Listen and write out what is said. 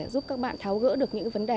giúp các bạn tháo gỡ được những vấn đề